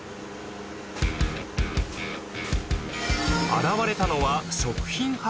［現れたのは］